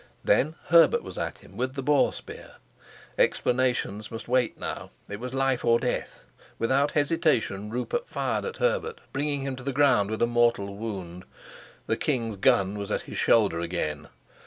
Then Herbert was at him with the boar spear. Explanations must wait now: it was life or death; without hesitation Rupert fired at Herbert, bringing him to the ground with a mortal wound. The king's gun was at his shoulder again.